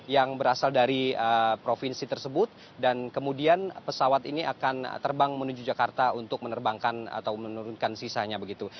yang berasal dari provinsi tersebut dan kemudian pesawat ini akan terbang menuju jakarta untuk menerbangkan atau menurunkan sisanya begitu